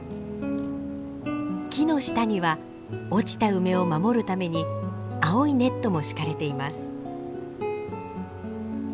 木の下には落ちた梅を守るために青いネットも敷かれています。